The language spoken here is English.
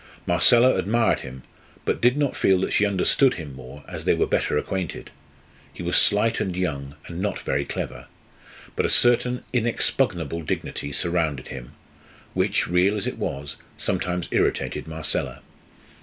Marcella admired him, but did not feel that she understood him more as they were better acquainted. He was slight and young, and not very clever; but a certain inexpugnable dignity surrounded him, which, real as it was, sometimes irritated Marcella.